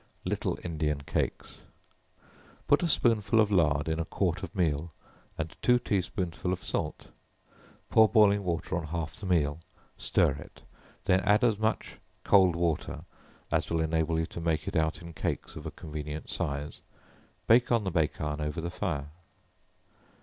Little Indian Cakes. Put a spoonful of lard in a quart of meal, and two tea spoonsful of salt, pour boiling water on half the meal, stir it; then add as much cold water as will enable you to make it out in cakes of a convenient size, bake on the bake iron over the fire.